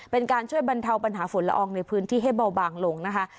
เป็นการช่วยบรรเทาปัญหาฝุ่นละอองในพื้นที่ให้เบาบางลงนะคะ